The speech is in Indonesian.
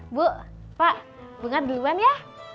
ibu pak dengar duluan ya